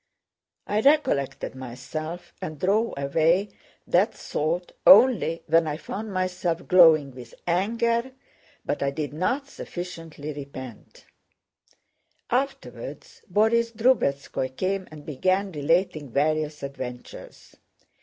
I recollected myself and drove away that thought only when I found myself glowing with anger, but I did not sufficiently repent. Afterwards Borís Drubetskóy came and began relating various adventures.